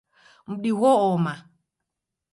Mdi gho-oma